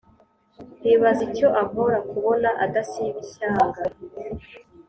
nkibaza icyo ampora, kubona adasiba ishyanga